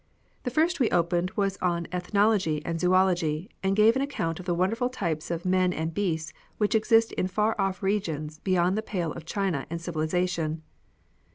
The first we opened was on Ethnology and Zoology, and gave an account of the wonderful types of men and beasts which exist in far ofi" regions beyond the pale of China and civili sation.